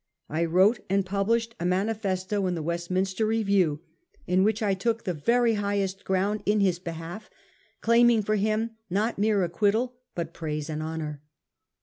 I wrote and published a manifesto in the [Westminster] Review , in which I took the very 1838. MR. MILL'S DEFENCE OF DURHAM. 77 highest ground in his behalf, claiming for him not mere acquittal, but praise and honour.